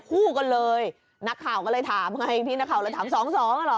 คู่กันเลยนักข่าวก็เลยถามไงพี่นักข่าวเลยถามสองสองอ่ะเหรอ